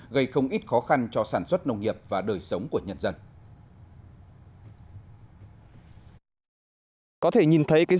gây không ít khó khăn cho sản xuất nông nghiệp và đời sống của nhân dân